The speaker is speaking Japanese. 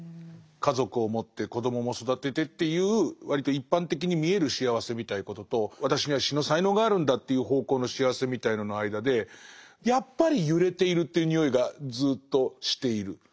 家族を持って子どもも育ててっていう割と一般的に見える幸せみたいなことと私には詩の才能があるんだっていう方向の幸せみたいのの間でやっぱり揺れているっていうにおいがずっとしている。